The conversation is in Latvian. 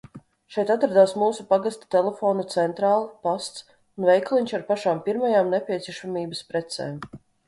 Šeit atradās mūsu pagasta telefona centrāle, pasts un veikaliņš ar pašām pirmajām nepieciešamības precēm.